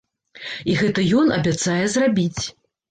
І гэта ён абяцае зрабіць.